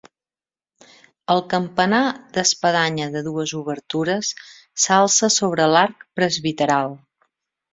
El campanar d'espadanya de dues obertures s'alça sobre l'arc presbiteral.